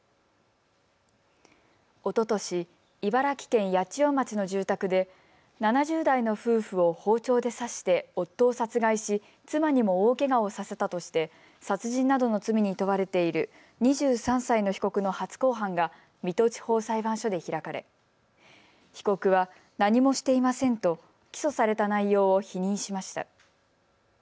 おととし茨城県八千代町の住宅で７０代の夫婦を包丁で刺して夫を殺害し妻にも大けがをさせたとして殺人などの罪に問われている２３歳の被告の初公判が水戸地方裁判所で開かれ被告は何もしていませんと起訴された内容を否認しました。